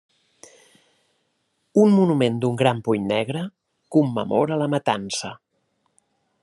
Un monument d'un gran puny negre commemora la matança.